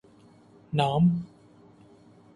نام؟